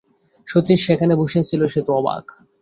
শচীশ সেখানে বসিয়াছিল, সে তো অবাক।